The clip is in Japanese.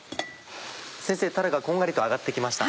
先生たらがこんがりと揚がって来ました。